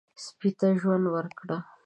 سپي ته ژوند ورکړئ.